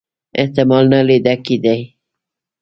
احتمال نه لیده کېدی.